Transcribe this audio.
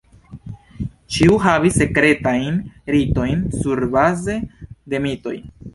Ĉiu havis sekretajn ritojn surbaze de mitoj.